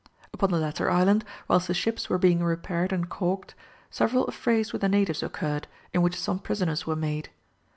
Upon the latter island, whilst the ships were being repaired and calked, several affrays with the natives occurred, in which some prisoners were made.